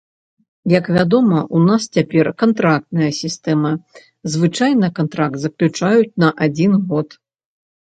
Як вядома, у нас цяпер кантрактная сістэма, звычайна кантракт заключаюць на адзін год.